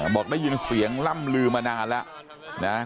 บอกได้ยินเสียงล่ำลือมานานแล้วนะ